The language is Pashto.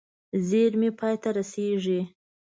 زېرمې پای ته رسېږي.